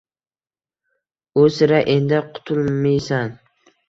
U sira endi qutulmiysan!